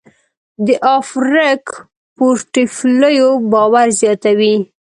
د افورک پورټفولیو باور زیاتوي.